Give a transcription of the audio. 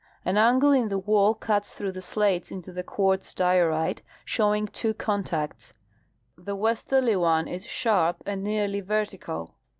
An angle in the wall cuts through the slates into the quartz diorite, showing two contacts. The westerly one is sharp and nearly vertical.